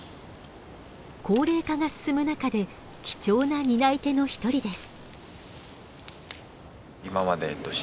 高齢化が進む中で貴重な担い手の一人です。